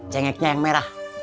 cengeknya yang merah